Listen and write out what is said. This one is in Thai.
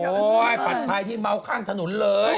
ผัดไทยนี่เมาข้างถนนเลย